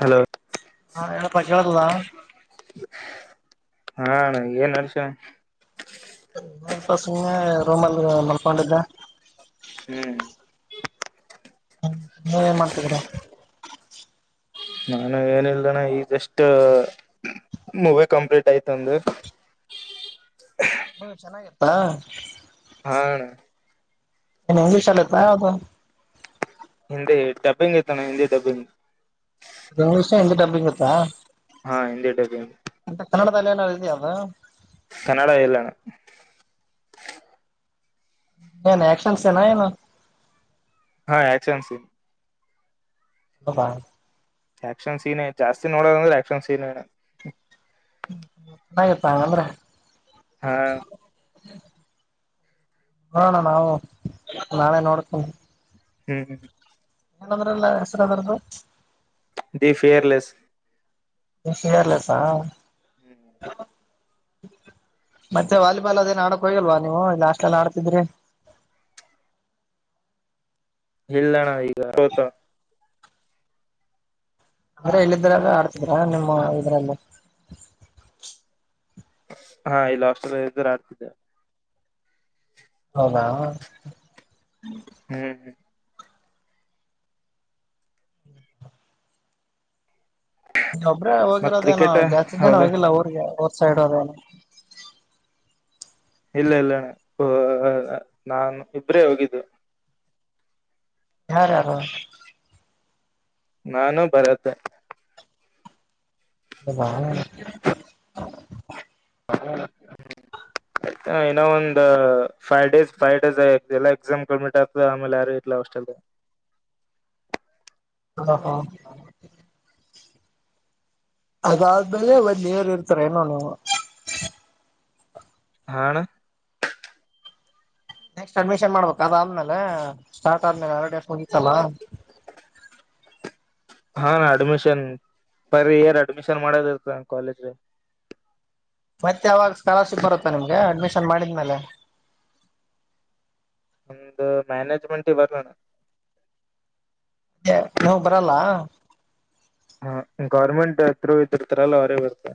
Hello ಹಾ ಹೇಳಪ್ಪ ಕೇಳದಿಲ್ಲ ಹಾ ಏನ್ ನೆಡ್ಸಿಯ ಅ ಸುಮ್ನೆ ರೋಮಲ್ಲಿ ಮಲ್ಕೊಂಡಿದ್ದೆ ಹ್ಮ್ ನೀವ್ ಏನ್ ಮಾಡ್ತಿದೀರಾ? ನಾನು ಏನಲ್ಣ ಈ ಜಸ್ಟ್ ಮೂವಿ ಕಂಪ್ಲೀಟ್ ಆಯ್ತ ನಂದು ಹ್ಮ ಚೆನ್ನಾಗಿತ್ತಾ ಹಾ ಹಾ ಏನ ಇಂಗ್ಲಿಷ್ಲ್ಲಿ ಇತ್ತ ಯಾವದ್ರಲ್ಲಿ ಹಿಂದೆ ಡಬ್ಬಿಂಗ್ ಇತಾಣ್ಣ ಹಿಂದೆ ಡಬ್ಬಿಂಗ್ ಇಂಗ್ [unintelligible] ಷ್ ಎಂತ ಡಬ್ಬಲಿಂಗ್ತ್ತಾ ಹಾ ಹಿಂದಿ ಡಬ್ಬಿಂಗ್ ಮತ್ತೆ ಕನ್ನಡದಲ್ಲಿ ಏನಾದ್ರು ಇದೆಯ ಅದು. ಕನ್ನಡ ಇಲ್ಲಣ ಏನು ಆಕ್ಷನ್ಸ ಸೀನ ಏನು ಹಾ ಯಾಕ್ಸನ್ ಸಿನ್ನಾ ಹಾಯ [unintelligible] ಆಕ್ಷನ್ ಸೀನ್ನೆ ಜಾಸ್ತಿ ನೋಡೋದಂದ್ರೆ ಆಕ್ಷನ್ ಸೀನನೇ ಹಾ ಯಪ್ಪಾಆಂಗ್ ಅಂದ್ರೆ ಹಾ ಹಾ ಅಣ ನಾವು ನಾಳೇ ನೋಡ್ಕೊಂಡ ಹ್ಮ್ ಹ್ಮ್ ಏನದ್ರಲ್ಲ ಹೆಸರು ಅದ ಅಲ್ ಬಾಯ್ ದಿ ಫಿಯರ್ಲೆಸ್ ದಿ ಫಿಯರ್ಲೆಸ ಹ್ಮ್ ಮತ್ತೆ ವಾಲಿಬಾಲ್ ಅದೇನ್ ಆಡಕ್ ಹೋಗಿಲ್ವಾ ನೀವು ಲಾಸ್ಟ್ ಎಲ್ಲ ಆಡ್ತಿದ್ರಿ ಇಲ್ಲಣ ಈಗ ಸತ [inaudible] ಅಲ್ಲೆ ಇಲ್ಲಿದ್ರ ಅ ಆಡ್ತಿದ್ರಾ ನಿಮ್ಮ ಇದ್ರಲ್ಲಿ ಹಾ ಇಲ್ಲ ಆಸ್ಟೆ ಇದ್ದರು ಆಡ್ತಿದ್ದೆ ಹೌದಾ ಹ್ಮ್ ನೀ ಒಬ್ರೇ ಮತ್ ಹೋಗಿರೋದೇನೋ ಕ್ರಿಕೆಟ್ ಜಾಸ್ತಿ ಜನ ಹೌದ ಹೋಗಿಲ್ಲ ಊರ್ರಿಗೆ ಊರ್ ಸೈಡ್ ಅವ್ರು ಇಲ್ಲ ಇಲ್ಲಣ್ಣ ನಾನು ಇಬ್ರೇ ಹೋಗಿದ್ದು ಯಾರ್ಯಾರು ನಾನು ಭಾರತ ಅ ಬಣ [inaudible] ಹ [inaudible] ಇನ್ನೊ ಒಂದು ಫೈವ್ ಡೇಸ್ ಫೈವ್ ಡೇ ಆತದೆ ಎಲ್ಲ ಎಕ್ಸಾಮ್ ಕೊಂಡ್ಬಿಟ್ ಆಗ್ತು ಆಮೇಲೆ ಯಾರು ಇರ್ಲ ಅಷ್ಟಲ್ಲ ಹಾ ಹಾ ಅದಾದ್ಮೇಲೆ ಬಂದಿಯರು ಇರ್ತಾರ ಏನು. ನೀವು ಹಾ ಅಣ್ಣ ನೆಕ್ಸ್ಟ್ ಅಡ್ಮಿಷನ್ ಮಾಡ್ಬೇಕು ಅದಾದ್ಮೇಲೆ ಸ್ಟಾರ್ಟ್ ಆದ್ಮೇಲೆ ಆಲ್ರೆಡಿ ಹೋಗಿತ್ತಲ್ಲಾ. ಹಾ ಅಡ್ಮಿಷನ್ ಪರ್ ಇಯರ್ ಅಡ್ಮಿಷನ್ ಮಾಡೋದ ಇರುತ್ತ ಕಾಲೇಜ. ಮತ್ತ ಯಾವರ ಸ್ಕಾಲರ್ಶಿಪ್ ಬರುತ್ತಾ ನಿಮ್ಗೆ ಅಡ್ಮಿಷನ್ ಮಾಡಿದ್ಮೇಲೆ. ನಮ್ದು ಮ್ಯಾನೇಜ್ಮೆಂಟ್ ಇವಲ್ಲನ್ನ. ತ್ತ್ಯ ನೀವ ಬರಲ್ಲಾ. ಹಾ ಗೌರ್ಮೆಂಟ್ ತ್ರೋ ಇದಿರ್ತಾರಲ್ಲ ಅವರಿಗೆ ಬರ್ತೆ.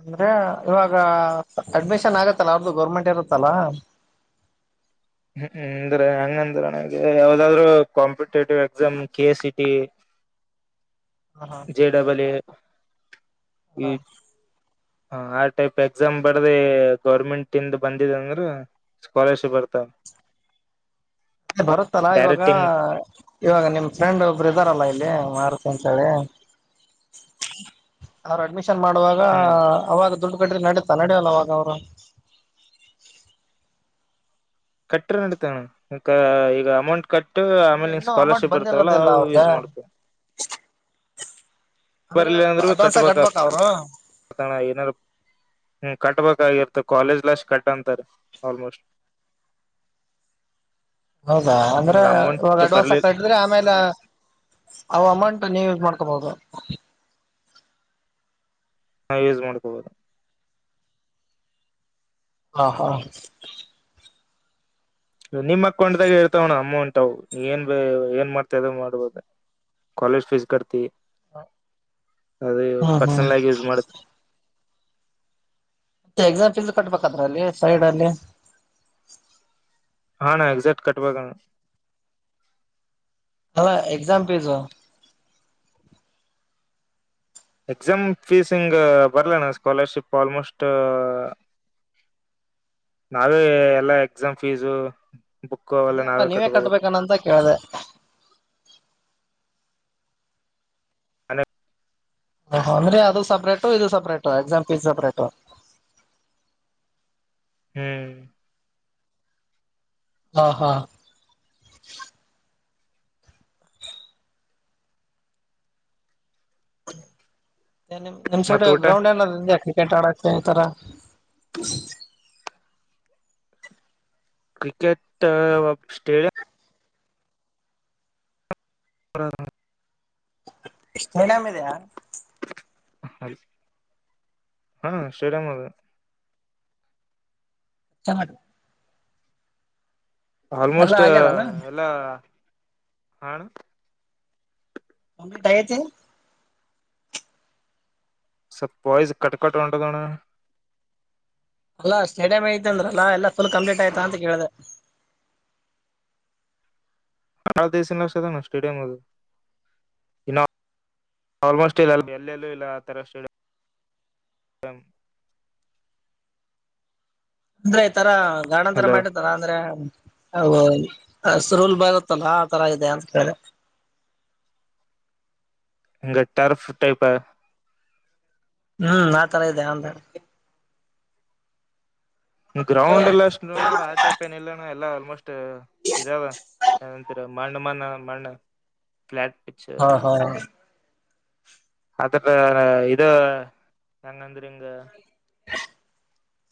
ಅಂದ್ರ ಇವಾಗ ಅಡ್ಮಿಷನ್ ಆಗತ್ತಲ್ಲ ಅವರದು ಗೌರ್ಮೆಂಟ್ ಇರುತ್ತಲ್ಲ. ಹು ಅಂದ್ರ ಹಂಗಂದ್ರ ಅಣ್ಣಾ ಈಗ ಯಾವದಾದ್ರು competitive exam K A C T. ಹಾ ಎ ಡಬಲ್ ಎ. ಹಾ ಹ ಆ ಟೈಪ್ ಎಕ್ಸಾಮ್ ಬರದ ಗೌರ್ಮೆಂಟ್ ಇಂದ ಬಂದಿದೆ ಅಂದ್ರ. ಸ್ಕಾಲರ್ಶಿಪ್ ಬರ್ತ. ಬರುತ್ತಲ್ಲಾ ಇವಾಗ. ಡೈರೆಕ್ಟ್ ಹಿಂಗ್ ಇವಾಗ ನಿಮ್ಮ ಫ್ರೆಂಡ್ ಒಬ್ಬರು ಇದಾರಲ್ಲಾ ಇಲ್ಲಿ ಮಾರುತಿ ಅಂತ ಹೇಳಿ. ಅವರ ಅಡ್ಮಿಷನ್ ಮಾಡುವಾಗ ಹ್ಮ್ ಅವಾಗ ದುಡ್ಡು ಕಟ್ಟಿರ ನಡತ ನಡಿಯಿಲ್ಲ ಅವಾಗ ಅವರು. ಕಟ್ಟಿರನಡಿತಣ್ಣಾ ಕ ಈಗ ಅಮೌಂಟ್ ಕಟ್ ಟ್ಟ ಅಂದ್ರೆ ಆಮೇಲೆ ನಿಂಗ ಇನ್ನೂ ಅಮೌಂಟ್ ಸ್ಕಾಲರ್ಶಿಪ್ ಬರ್ತವಲ್ಲ ಬಂದಿರೋದಿಲ್ಲ ಅವು ಅವ್ರಗ ಯೂಸ್ ಮಾಡ್ಕು. ಅಂದ್ರೆ ಇವಾಗ ಅಡ್ ಅಡ್ವಾನ್ಸ್ ಕಟ್ಬಬೇಕಾ ಅವ್ರು. ಗೊತ್ತಣ್ಣಾ ಏನದು. ಹು ಕಟ್ಟಬೇಕಾಗಿತ್ತು ಕಾಲೇಜ್ ಲಸ್ ಕಟ್ಟಂತಾರ ಆಲ್ಮೋಸ್ಟ್. ಹೌದಾ ಅಂದ್ರ ನಿನಗ್ ಇವಾಗ ಅಮೌಂಟ್ ಅಡ್ವಾನ್ಸ್ ಬರ್ಲಿ ಆಗಿ ಕಟ್. ಅಂದ್ರೆ ಆಮೇಲೆ ಅವ ಅಮೌಂಟ್ ನೀವು ಯಸ್ ಮಾಡ್ಕೋಬಹುದು. ಹಾ ಯೂಸ್ ಮಾಡ್ಕಬೋದು. ಹಾ ಹಾ ನಿಮ್ಮ ಅಕೌಂಟದಾಗ ಇರ್ತಾವಣ್ಣಾ ಅಮೌಂಟ್ ಅವು ನೀ ಏನ್ ಬೆ ಏನ್ ಮಾಡ್ತಿ ಅದ ಮಾಡ್ಬೋದು. ಕಾಲೇಜ್ ಫೀಸ್ ಕಡ್ತಿ ಅದೆ ಹ್ಮ್ ಹ್ಮ್ ಪರ್ಸನಲ್ ಆಗಿ ಯೂಸ್ ಮಾಡತಿ. ಮತ್ತೆ ಎಕ್ಸಾಮ್ ಪೀಸ್ ಕಟ್ಬೇಕದ್ರಲ್ಲಿ ಸೈಡ್ ಅಲ್ಲಿ. ಹಾ ಅಣ್ಣಾ ಎಕ್ಸೆಕ್ಟ್ ಕಟ್ಟಬೇಕಣ್ಣಾ. ಅದ ಎಕ್ಸಾಮ್ ಫಿಜು. ಎಕ್ಸಾಮ್ ಫೀಸ್ ಹಿಂಗ ಬರಲಣ್ಣಾ ಸ್ಕಾಲರ್ಶಿಪ್ ಆಲ್ಮೋಸ್ಟ್. ನಾವೇ ಎಲ್ಲಾ ಎಕ್ಸಾಮ್ ಫೀಸು ಬುಕ್ಕು ಅವೆಲ್ಲಾ ನಾವೇ ಕಟ್ಕೋಬೇಕ. ಇದಂತ ಕೇಳಿದೆ. ನಾನೆ. ಹು ಹು ಅಂದ್ರೆ ಅದು ಸಪ್ರೇಟು ಇದು ಸಪ್ರೇಟು ಎಕ್ಸಾಮ್ ಪೀಸ್ ಸಪ್ರೇಟು. ಹು ಹಾ ಹಾ ನಿ ನಿ ನಿಮ್ಮ ಸೈಡ್ ಮತ್ ಊಟ ಗ್ರೌಂಡ್ ಏನ ಕ್ರಿಕೆಟ್ ಆಡಕೆ ಈ ತರಾ. ಕ್ರಿಕೆಟ್ ಒಬ್ ಸ್ಟೇಡಿಯಂ. [unintelligible] ಸ್ಟೇಡಿಯಂ ಇದೆಯಾ. ಅಲ್ಲಿ ಹಾ ಸ್ಟೇಡಿಯಂ ಅದ. ಚಾ ಮಾಡು. ಎಲ್ಲಾ ಆಲ್ಮೋಸ್ಟ್ ಆಗ್ಯದನಾ ಎಲ್ಲಾ ಹಾ ಅಣ್ಣಾ. ಓಮಿಟ ಆಗೇತಿ. ಸರ್ ವಾಯ್ಸ್ ಕಟ್ ಕಟ್ಟ ಹೊಂಡದಣ ಅಲ್ಲ ಸ್ಟೇಡಮ್ಐತೆ ಅಂದ್ರಲ್ಲ ಎಲ್ಲ ಫುಲ್ ಕಂಪ್ಲೀಟ್ ಆಯ್ತ ಅಂತೇಳಿದೆ ನಾಳ ದೇಶಸ ಲಕ್ಷದು ಸ್ಟೇಡಿಯಂ ಅದು [unintelligible] ಇಲ್ಲ ಆಲ್ಮೋಸ್ಟ್ ಇಲ್ಲ ಎಲ್ಲಲ್ಲೂ ಇಲ್ಲ ಆ ತರ ಸ್ಟೇಡಿಯಂ ಅಂದ್ರೆ ಈ ತರ ಗಾರ್ಡನ್ ತರ ಹಲೋ ಮಾಡ ತರ ಅಂದ್ರೆ ಹಸರ್ ಹುಲ್ ಬಾರುತ್ತಲ್ಲ ಆ ತರ ಇದೆ ಅಂತ ಕೇಳ್ದೆ ಹಂಗ ಟರ್ಫ್ ಟೈಪ ಹ್ಮ್ ಆತರ ಇದೆಯಾ ಅಂದೆ ಗ್ರೌಂಡ್ ಎಲ್ಲ ಅಷ್ಟು ನೋಡ್ತ ಆ ಟೈಪ್ ಏನ ಇಲ್ಲ ಎಲ್ಲಾ ಆಲ್ಮೋಸ್ಟ್ ಇದರ ಮನ ಮನ ಮಣ್ಣ್ ಫ್ಯಾಲ್ಟ್ ಪಿಕ್ಸ್ ಹಾ ಹಾ ಅದರ್ದು ಇದೋ ನಂಗಂದ್ರಂಗ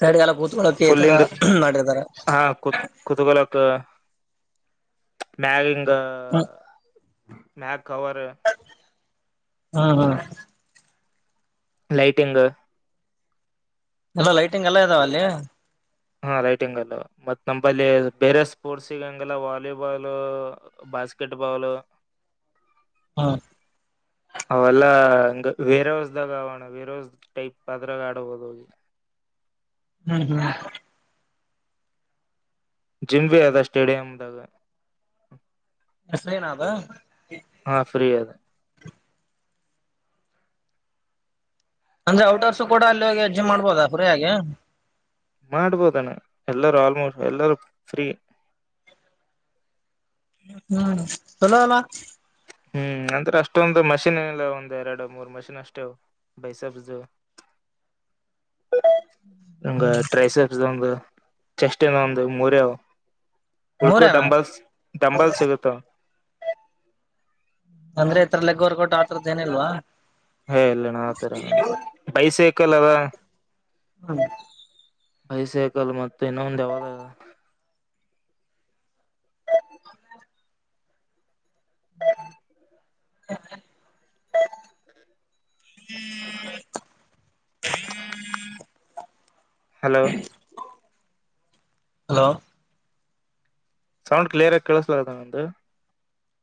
ತಡಿಗೆಲ್ಲ ಕೂತ್ಕೊಳ್ಳಕಕ್ಕೆ ಈ ಫುಲ್ ತರ ಹಿಂಗ ಮಾಡಿರ್ತಾರ ಹಾ ಕೊತ್ ಕೋತ್ಕೊಲಕ್ ಮ್ಯಗಿಂದ್ ಹ್ಮ್ ಮ್ಯಾಗ ಕವರ್ ಹಾ ಹಾ ಲೈಟಿಂಗು ಎಲ್ಲ ಲೈಟಿಂಗ್ ಎಲ್ಲ ಇದಾವ ಅಲ್ಲಿ ಹಾ ಲೈಟಿಂಗ್ ಅದವಾ ಮತ್ತ್ ನಂಬಲ್ಲಿ ಬೇರೆ ಸ್ಪೋರ್ಟ್ಸ್ಗ ಹಂಗಗೆಲ್ಲ ವಾಲಿಬಾಲ್ ಬಾಸ್ಕೆಟ್ ಬಾಲ್. ಹಾ ಅವಲ್ಲಾ ಇಂಗ ವೇರೆ ಹೊಸದಗಾ ಅವಾಣ್ಣ ಟೈಪ್ ಅದ್ರಾಗ ಆಡಬಹದು ಹೋಗಿ ಹ್ಮ ಹ್ಮ ಜಿಮ್ ಬಿ ಅದ ಸ್ಟೇಡಿಯಮ್ದಾಗ ಹೆಸೇನಾದ [unintelligible] ಹಾ ಫ್ರೀ ಅದೇ ಅಂದ್ರೆ ಔಟರ್ಸ್ ಕೂಡ ಅಲ್ಲಿ ಹೋಗಿ ಜಿಮ್ ಮಾಡಬೋದ ಅಲ್ಲಿ ಫ್ರೀ ಯಾಗಿ ಮಾಡ್ಬೋದಣ್ಣ ಎಲ್ಲರೂ ಆಲ್ಮೋಸ್ಟ್ ಎಲ್ಲರೂ ಫ್ರೀ ಹ್ಮ್ ಚಲೋಲ್ಲ ಹ್ಮ್ ಅಂದ್ರೆ ಅಷ್ಟೊಂದು ಮಷಿನ್ ಏನ್ ಇಲ್ಲ ಒಂದ್ ಎರಡು ಮೂರ್ ಮಷಿನ್ ಅಷ್ಟೇ ಬೈಸಬ್ [inaudible] ಹಂಗ ಟ್ರೈಸಂದು [unintelligible] ಚೆಸ್ಟಿನ ಒಂದು ಮೂರ ಆವಾ ಹಳ್ಕು ಮೂರೇನಾ ಡಂಬಲ್ಸ್ ಡಂಬಲ್ ಸಿಗುತ್ತವ ಅಂದ್ರೆ ಈ ತರ ಲೆಗ್ ವರ್ಕೋಟ್ ಆರದ್ದ ಏನ್ ಇಲ್ವಾ ಹ ಏ ಇಲ್ಲಣ್ಣ ಆತರಣ ಬೈಸೇಕಲ್ಲ ಅದಣ್ಣ ಹ್ಮ್ ಬೈಸಕಲ್ ಮತ್ತ ಇನ್ನೊಂದು ಯಾವಾಗ ಹ್ಮ್ ಹ್ಮ್ ಹ [inaudible] ಹ್ಮ ಹ್ಮ [inaudible] ಹಲೋ ಹಲೋ ಸೌಂಡ್ ಕ್ಲಿಯರ್ಗಿ ಕಳಿಸಳ್ದನಂದು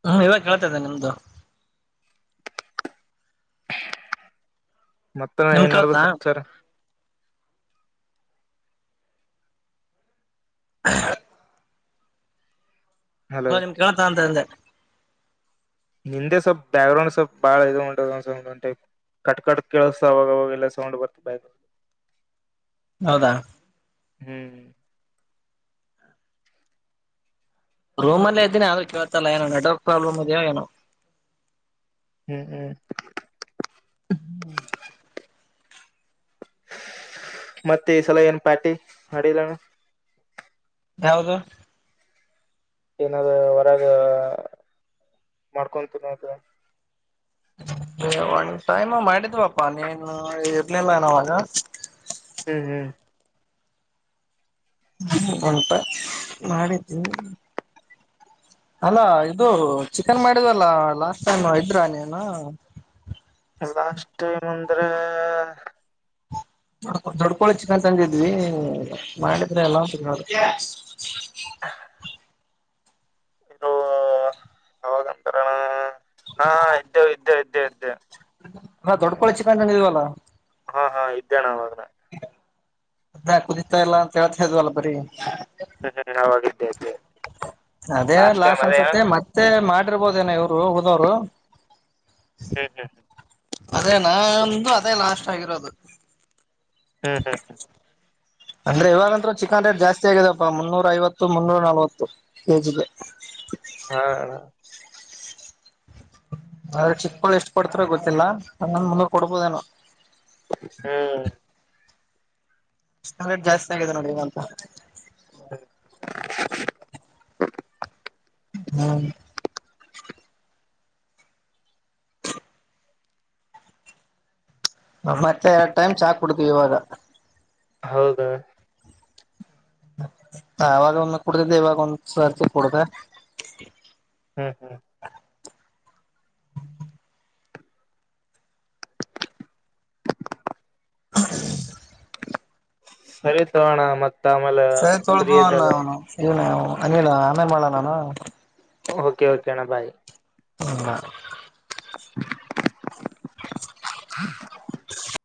ಹ್ಮ ಇವಾಗ ಕೇಳ್ತಾದನೆ ನಿಮ್ದು ಮತ್ತ ನಿಮ್ ಏನ್ ನಡದೈತಿ ಕೇಳ್ತಾ ಹಲೋ ಸಮಾಚಾರ. ಹ [unintelligible] ಹ್ ಹಲೋ [unintelligible] ನಿಮ್ ಕೇಳ್ತಾ ಅಂತ ಅಂದೆ ನಿಂದೆ ಸ್ವಲ್ಪ್ ಬ್ಯಾಕ್ ಗ್ರೌಂಡ್ ಸ್ವಲ್ ಬಾಳ ಇದು ಉಂಟ ಒಂದು ಟೈಪ್ [unintelligible] ಕಟ್ ಕಟ್ಟ ಕೇಳ್ಸತ ಅವಾಗವಾಗೆಲ್ಲ ಸೌ [unintelligible] ರ್ತ ಬ ಹೌದಾ! ಹ್ಮ್, ರೂಮ ಅಲ್ಲ ಇದ್ದೀ ಅದ ಕೇಳತಾಇಲ್ಲ ಏನೋ ನೆಟ್ವರ್ಕ್ ಪ್ರಾಬ್ಲಮ್ ಇದಿಯೋ ಎನೋ. ಹ್ಮ್, ಹ್ಮ್ ಹ್ಮ್ [unintelligible] ಮತ್ತೆ ಈ ಸಲ ಏನ್ ಪಾರ್ಟಿ ಮಾಡಿಲ್ಲಣ- ಯಾವುದು? ಏನಾದ್ರಹೊರಗ ಮಾಡ್ಕೊಂತಿನ್ನೋದು. ಒನ್ ಟೈಮ್ ಮಾಡಿದ್ವಪ್ಪಾ ನೀನು ಇರ್ಲಿಲ್ಲನೆಅವಾಗ. ಹ್ಮ್, ಹ್ಮ್ ಉಲ್ಪ ಮಾಡಿದ್ದೀನಿ [unintelligible] ಅಲ್ಲಾ ಇದು ಚಿಕನ್ ಮಾಡಿದಲ್ಲ ಲಾಸ್ಟ್ ಟೈಮ್ ಇದ್ರಾ ನೀನು. ಲಾಸ್ಟ್ ಟೈಮ್ ಅಂದ್ರೆ ದೊಡ್ಕೊಳಿ ಚಿಕ್ಕನ್ ತಂದಿದ್ವಿ ಮಾಡಿದ್ರೆ ಎಲ್ಲಾ [inaudible] ಇದು ಅವಾಗಂತಾರಣ [inaudible] ಹಾ ಇದ್ದೇವ ಇದ್ದೇವೆ ಇದ್ದೇವೆ ಇದ್ದೇವೆ ಹಾ ದೊಡ್ಡ್ಕೋಳಿಚಿಕನ್ ತಂದೀದವಲ್ಲ ಹಾ, ಹಾ ಇದ್ದೇಣ ಅವಾಗ ನಾನು. ಇನ್ನಾ ಕುದಿತಾ ಇಲ್ಲ ಅಂತ ಹೇಳ್ತಿದಿವಲ್ಲ ಬರಿ. ಹ್ಮ ಹ್ಮ ಹಾಗಾಗಿದ್ದೇ ಅದೇ ಅದೇ [unintelligible] ಅದೇ ಲಾಸ್ಟ್ ಅನ್ಸತ್ತೆ ಮತ್ತೆ ಮಾಡಿರ್ಬೋದನ ಇವ್ರು ಉಳದೋರು. ಹ್ಮ್ ಹ್ಮ್ ಹ್ಮ್ [unintelligible] ಅದೇ ನಂದು ಅದೇ ಲಾಸ್ಟ್ ಆಗಿರೋದು. ಹಾಂ ಹಾಂ ಹ [unintelligible] ಅಂದ್ರೆ ಇವಾಗಂತೂ ಚಿಕನ್ ರೇಟ್ ಜಾಸ್ತಿ ಆಗಿದಪ್ಪಾ ಮುನ್ನೂರ ಐವತ್ತು ಮುನ್ನೂರ ನಲ್ವತ್ತು ಕೆಜಿಗೆ. ಹಾ, ಆದ್ರೆ ಚಿಕ್ಕ ಕೋಳಿ ಎಷ್ಟು ಕೊಡ್ತಾರಗೊತ್ತಿಲ್ಲಾ ಅದನ್ನಾ ಮುನ್ನೂರ ಕೊಡ್ಬೋದೇನ. ಹ್ಮ್, ರೇಟ್ ಜಾಸ್ತಿ ಆಗಿದೆ ನೋಡಿ ಈಗಂತ- ಹ [unintelligible] ಹ್ಮ್, ಮತ್ತೆ ಎರಡ್ ಟೈಮ್ ಚಾ ಕುಡ್ತೀವಿ ಇವಾಗ. ಹೌದಾ ಹ ಅವಾಗ ಒಮ್ಮೆ ಕುಡ್ದಿದ್ದೆ ಇವಾಗ ಒಂದ್ ಸರ್ತಿ ಕುಡ್ದೆ ಹ್ಮ್, ಹ್ಮ್ ಹ [unintelligible] ಸರಿ ತಗೋಣ ಮತ್ತ ಆಮೇಲೆ ಫ್ರೀ ಇದ್ದಾಗ. ಇನ ಅನಿಲ ಆಮೇ ಮಾಡ ನಾನ [unintelligible] ಓಕೆ ಓಕೆ ಅಣ್ಣ ಬಾಯ್ [unintelligible] [inaudible] [inaudible] [inaudible]